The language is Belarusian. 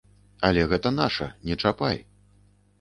Але гэта наша, не чапай!